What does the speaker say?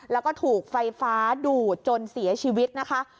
แล้วก็ถูกไฟฟ้าดูดจนเสียชีวิตนะคะ